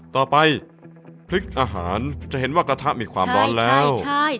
ต่อไปพริกอาหารจะเห็นว่ากระทะมีความร้อนแล้ว